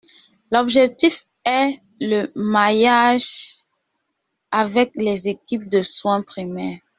L’objectif est le maillage avec les équipes de soin primaires.